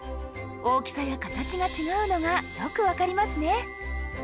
大きさや形が違うのがよく分かりますね。